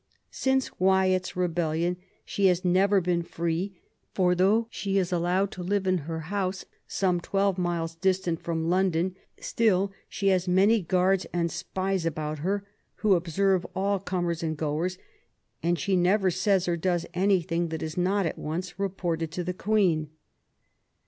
Since Wyatt's rebellion she has never been free ; for though she is allowed to live in her house, some twelve miles distant from London, still she has many guards and spies about her, who observe all comers and goers ; and she never says or does any thing that is not at once reported to the Queen.